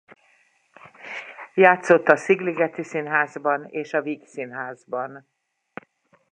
Játszott a Szigligeti Színházban és a Vígszínházban.